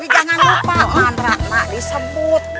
jangan lupa mantra mah disebut